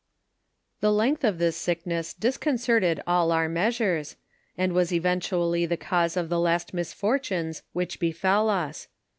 The length of this sickness disconcerted all our measures, and was eventually the cause of the last misfortunes which befell us.